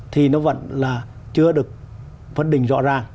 thì nó vẫn là chưa được phân định rõ ràng